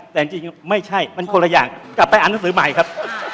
แต่จริงไม่ใช่มันคนละอย่างกลับไปอ่านหนังสือใหม่ครับ